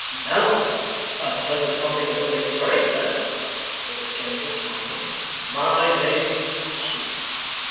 'Now, I'll tell you something that'll make you sorry for that,' said the stranger, smiling. 'My name's Boffin.